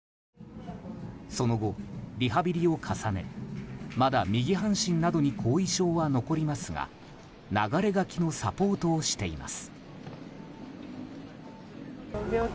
その後、リハビリを重ねまだ右半身などに後遺症は残りますが流舁きのサポートをしています。